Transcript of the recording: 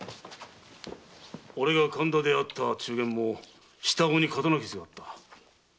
俺が神田で会った中間も下顎に刀傷があった。